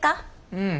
うん。